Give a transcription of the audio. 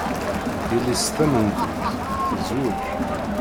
Yelli-s tamenzut tezweǧ.